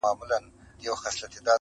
د صبر کاسه درنه ده.